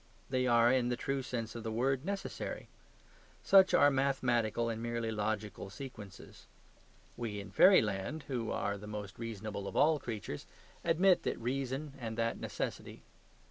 They are, in the true sense of the word, necessary. Such are mathematical and merely logical sequences. We in fairyland (who are the most reasonable of all creatures) admit that reason and that necessity.